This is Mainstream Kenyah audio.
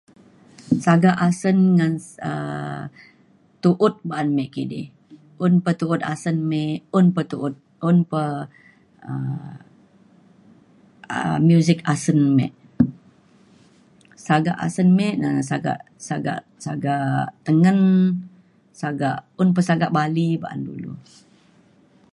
sagak asen ngan s- um tu’ut ba’an me kidi. un pa tu’ut asen me un pa tu’ut un pa um a- muzik asen me. sagak asen me na sagak sagak sagak tengen sagak un pa sagak bali ba’an dulu